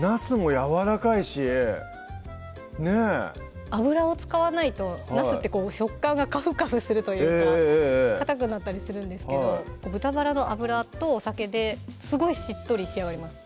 なすもやわらかいしねぇ油を使わないとなすって食感がかふかふするというかかたくなったりするんですけど豚バラの脂とお酒ですごいしっとり仕上がります